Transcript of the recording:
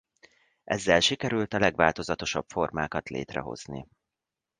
Ezzel sikerült a legváltozatosabb formákat létrehozni.